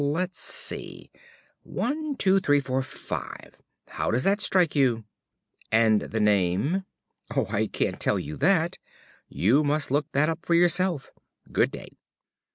Let's see 12345, how does that strike you?" "And the name?" "Oh, I can't tell you that. You must look that up for yourself. Good day."